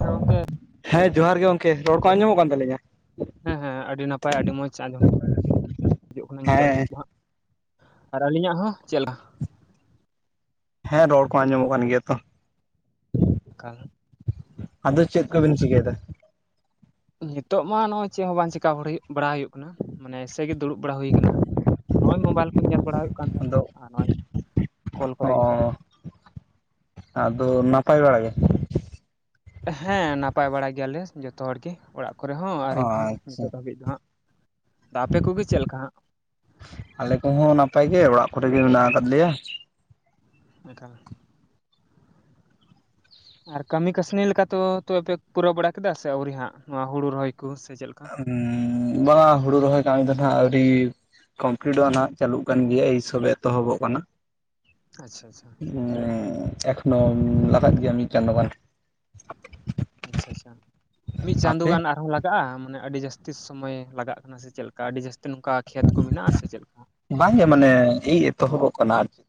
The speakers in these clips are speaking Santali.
[inaudible] ᱜᱚᱝᱠᱮ᱾ ᱦᱮᱸ ᱡᱚᱦᱟᱨ ᱜᱮ ᱜᱚᱝᱠᱮ, ᱨᱚᱲ ᱠᱚ ᱟᱸᱡᱚᱢᱚᱜ ᱠᱟᱱ ᱛᱟᱹᱞᱤᱧ-ᱟ? ᱦᱮᱸ ᱦᱮᱸ ᱟᱹᱰᱤ ᱱᱟᱯᱟᱭ ᱟᱹᱰᱤ ᱢᱚᱸᱡᱽ ᱟᱸᱡᱚᱢ [inaudible] ᱦᱤᱡᱩᱜ ᱠᱟᱱᱟ ᱱᱤᱛᱳᱜ ᱦᱮᱸ ᱫᱚ [inaudible] ᱟᱨ ᱟᱹᱞᱤᱧᱟᱜ ᱦᱚᱸ ᱪᱮᱫ [inaudible] ᱦᱮᱸ ᱨᱚᱲ ᱠᱚ ᱟᱸᱡᱚᱢᱚᱜ ᱠᱟᱱ ᱜᱮᱭᱟ ᱛᱚ᱾ [inaudible] ᱟᱫᱚ ᱪᱮᱫ ᱠᱚᱵᱤᱱ ᱪᱤᱠᱟᱹᱭ ᱫᱟ? ᱱᱤᱛᱳᱜ ᱢᱟ ᱱᱚᱜᱚᱭ ᱪᱮᱫ ᱦᱚᱸ ᱵᱟᱝ ᱪᱤᱠᱟ [unintelligible] ᱵᱟᱲᱟ ᱦᱩᱭᱩᱜ ᱠᱟᱱᱟ ᱢᱟᱱᱮ ᱮᱥᱮ ᱜᱮ ᱫᱩᱲᱩᱵ ᱵᱟᱲᱟ ᱦᱩᱭ ᱠᱟᱱᱟ᱾ ᱦᱚᱸᱜᱚᱭ ᱢᱳᱵᱟᱭᱤᱞ ᱠᱚ ᱧᱮᱞ ᱵᱟᱲᱟ ᱦᱩᱭᱩᱜ ᱠᱟᱱ ᱛᱟᱦᱮᱱᱟ ᱟᱫᱚ ᱟᱨ ᱱᱚᱜᱼᱚᱭ ᱠᱚᱞ ᱠᱚᱨᱮ ᱜᱮ ᱦᱟᱸᱜ ᱚ᱾ ᱟᱫᱚ ᱱᱟᱯᱟᱭ ᱵᱟᱲᱟ ᱜᱮ? ᱦᱮᱸ ᱱᱟᱯᱟᱭ ᱵᱟᱲᱟ ᱜᱮᱭᱟᱞᱮ ᱡᱚᱛᱚ ᱦᱚᱲ ᱜᱮ, ᱚᱲᱟᱜ ᱠᱚᱨᱮ ᱦᱚᱸ ᱟᱨ ᱤᱧ ᱦᱚᱸ ᱟᱪᱪᱷᱟ ᱱᱤᱛᱳᱜ ᱫᱷᱟᱹᱵᱤᱡ ᱫᱚ ᱦᱟᱸᱜ, ᱟᱯᱮ ᱠᱚᱜᱮ ᱪᱮᱫ ᱞᱮᱠᱟ ᱦᱟᱸᱜ? ᱟᱞᱮ ᱠᱚᱦᱚᱸ ᱱᱟᱯᱟᱭ ᱜᱮ ᱚᱲᱟᱜ ᱠᱚᱨᱮ ᱜᱮ ᱢᱮᱱᱟᱜ ᱟᱠᱟᱫ ᱞᱮᱭᱟ᱾ [inaudible] ᱟᱨ ᱠᱟᱹᱢᱤ ᱠᱟᱹᱥᱱᱤ ᱞᱮᱠᱟᱛᱚ ᱛᱚᱵᱮ ᱯᱮ ᱯᱩᱨᱟᱹᱣ ᱵᱟᱲᱟ ᱠᱮᱫᱟ, ᱥᱮ ᱟᱹᱣᱨᱤ ᱦᱟᱸᱜ ᱱᱚᱣᱟ ᱦᱩᱲᱩ ᱨᱚᱦᱚᱭ ᱠᱚ ᱥᱮ ᱪᱮᱫ ᱞᱮᱠᱟ ᱩᱸ ᱵᱟᱝᱟ ᱦᱩᱲᱩ ᱨᱚᱦᱚᱭ ᱠᱟᱹᱢᱤ ᱫᱚ ᱱᱟᱦᱟᱸᱜ ᱟᱶᱨᱤ ᱠᱚᱢᱯᱞᱤᱴ ᱴᱚᱜᱟ ᱱᱟᱦᱟᱸᱜ ᱪᱟᱹᱞᱩᱜ ᱠᱟᱱ ᱜᱮᱭᱟ ᱮᱭ ᱥᱚᱵᱮ ᱮᱛᱚᱦᱚᱵᱚᱜ ᱠᱟᱱᱟ᱾ ᱟᱪᱪᱷᱟ ᱟᱪᱪᱷᱟ᱾ [unintelligible] ᱮᱠᱷᱚᱱᱚ ᱞᱟᱜᱟᱫ ᱜᱮᱭᱟ ᱢᱤᱫ ᱪᱟᱸᱫᱳ ᱜᱟᱱ᱾ [inaudible] ᱢᱤᱫ ᱪᱟᱸᱫᱳ ᱟᱯᱮ ᱜᱟᱱ ᱟᱨᱦᱚᱸ ᱞᱟᱜ ᱠᱟᱜ-ᱟ ᱢᱟᱱᱮ ᱟᱹᱰᱤ ᱡᱟᱹᱥᱛᱤ ᱥᱳᱢᱟᱹᱭ ᱞᱟᱜᱟᱜ ᱠᱟᱱᱟ, ᱥᱮ ᱪᱮᱫᱞᱮᱠᱟ ᱟᱹᱰᱤ ᱡᱟᱹᱥᱛᱤ ᱱᱚᱝᱠᱟ ᱠᱷᱮᱛ ᱠᱚ ᱢᱮᱱᱟᱜ-ᱟ ᱥᱮ ᱪᱮᱫᱞᱮᱠᱟ? ᱵᱟᱝᱜᱮ ᱢᱟᱱᱮ ᱮᱭ ᱮᱛᱚᱦᱚᱵᱚᱜ ᱠᱟᱱᱟ ᱟᱨᱠᱤ᱾